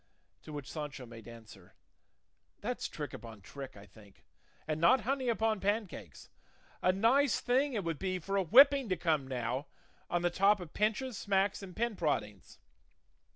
To which Sancho made answer, "That's trick upon trick, I think, and not honey upon pancakes; a nice thing it would be for a whipping to come now, on the top of pinches, smacks, and pin proddings!